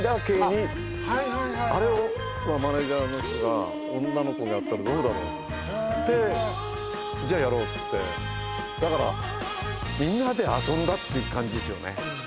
はいはいはいあれをマネージャーの人が女の子がやったらどうだろうってじゃあやろうってだからみんなで遊んだっていう感じですよね